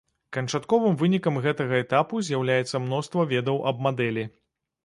Канчатковым вынікам гэтага этапу з'яўляецца мноства ведаў аб мадэлі.